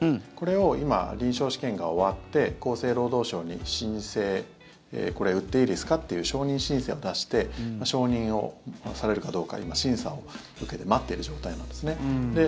これを今、臨床試験が終わって厚生労働省に申請これ売っていいですかっていう承認申請を出して承認をされるかどうか今、審査を受けて待っている状態なんですね。